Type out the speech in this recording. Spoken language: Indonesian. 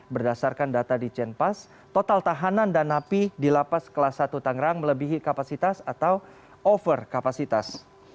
berdasarkan data ditienpas total tahanan dan api di lapas kelas satu tanggerang melebihi kapasitas atau over kapasitas